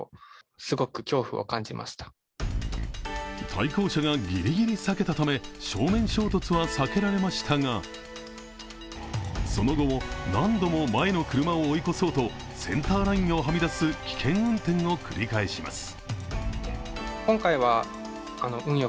対向車がギリギリ避けたため正面衝突は避けられましたが、その後も何度も前の車を追い越そうとセンターラインをはみ出す危険運転を繰り返します。